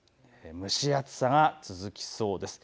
蒸し暑さが続きそうです。